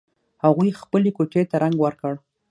هغوی خپلې کوټې ته رنګ ور کړ